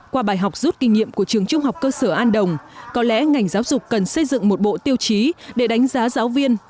qua bài học rút kinh nghiệm của trường trung học cơ sở an đồng có lẽ ngành giáo dục cần xây dựng một bộ tiêu chí để đánh giá giáo viên